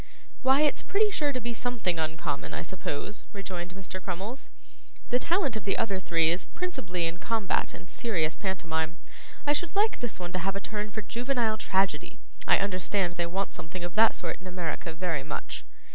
'Why, it's pretty sure to be something uncommon, I suppose,' rejoined Mr. Crummles. 'The talent of the other three is principally in combat and serious pantomime. I should like this one to have a turn for juvenile tragedy; I understand they want something of that sort in America very much.